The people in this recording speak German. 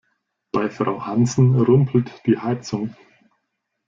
Bei Frau Hansen rumpelt die Heizung.